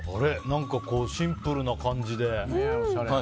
何かシンプルな感じで。